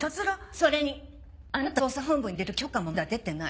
それにあなたを捜査本部に入れる許可もまだ出てない。